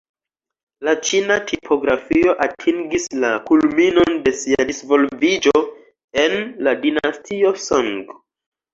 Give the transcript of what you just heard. La ĉina tipografio atingis la kulminon de sia disvolviĝo en la dinastio Song.